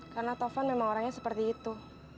karena taufan memang orangnya seperti itu